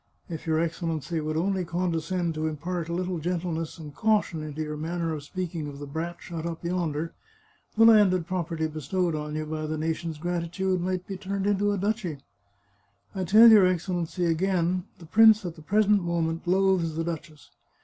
If your Excellency would only condescend to impart a little gentleness and caution into your manner of speaking of the brat shut up yonder, the landed property bestowed on you by the nation's gratitude might be turned into a duchy, I tell your Excellency again, the prince, at the present moment, loathes the duchess.